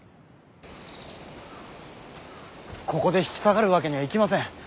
ここで引き下がるわけにはいきません。